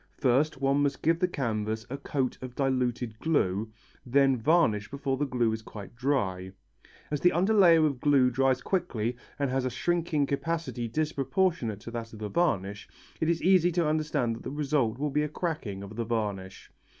First one must give the canvas a coat of diluted glue, then varnish before the glue is quite dry. As the underlayer of glue dries quickly and has a shrinking capacity disproportionate to that of the varnish, it is easy to understand that the result will be a cracking of the varnish.